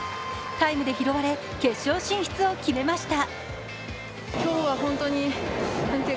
タイムで拾われ、決勝進出を決めました。